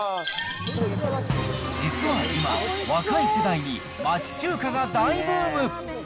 実は今、若い世代に町中華が大ブーム。